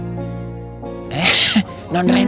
nanti kita berjalan